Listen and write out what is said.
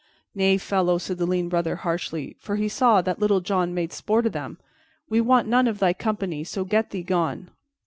"Nay, fellow," said the lean Brother harshly, for he saw that Little John made sport of them, "we want none of thy company, so get thee gone."